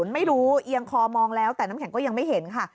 ไม่รู้เอียงคอมองแล้วแต่น้ำแข็งก็ยังไม่เห็นค่ะ